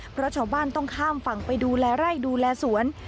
เพราะชาวบ้านต้องข้ามฝั่งไปดูแลไร่ดูแลสวน